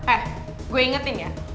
eh gue ingetin ya